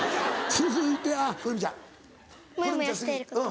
続いては来泉ちゃん。